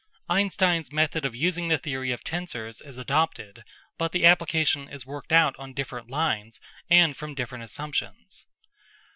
Einstein's method of using the theory of tensors is adopted, but the application is worked out on different lines and from different assumptions.